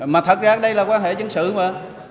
mà thật ra đây là quan hệ dân sự mà